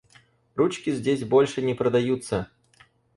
Ручки здесь больше не продаются.